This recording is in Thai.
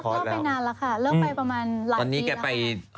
ตอนนี้เลิกไปนานละค่ะเลิกไปประมาณหลายตี